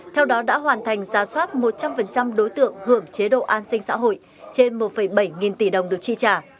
theo đó đã hoàn thành giả soát một trăm linh đối tượng hưởng chế độ an sinh xã hội trên một bảy nghìn tỷ đồng được chi trả